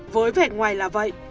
với vẻ ngoài là vậy